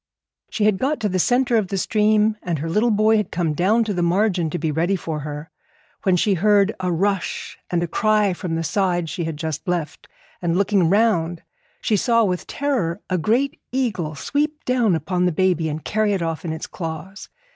She had got to the centre of the stream, and her little boy had come down to the margin to be ready for her, when she heard a rush and a cry from the side she had just left; and, looking round, she saw with terror a great eagle sweep down upon the baby, and carry it off in its claws.